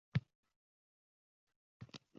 Shu sababli ayrimlar voqelikka kaltabin qaramoqda